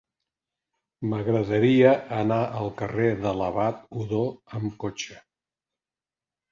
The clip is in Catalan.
M'agradaria anar al carrer de l'Abat Odó amb cotxe.